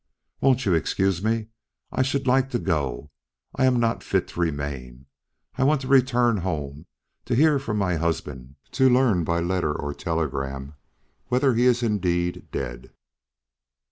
Won't you excuse me? I should like to go. I am not fit to remain. I want to return home to hear from my husband to learn by letter or telegram whether he is indeed dead."